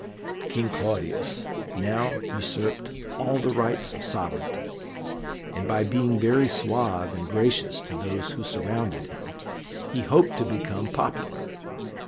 King Claudius now usurped all the rights of sovereignty, and by being very suave and gracious to those who surrounded him he hoped to become popular.